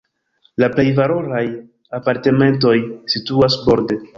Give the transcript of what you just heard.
La plej valoraj apartamentoj situas borde.